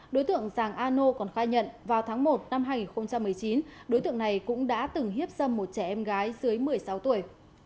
đối tượng giàng a nô còn khai nhận vào tháng một năm hai nghìn một mươi chín đối tượng này cũng đã từng hiếp dâm một trẻ em gái dưới một mươi sáu tuổi